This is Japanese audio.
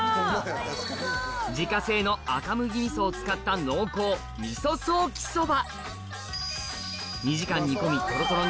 自家製の赤麦味噌を使った濃厚味噌ソーキそば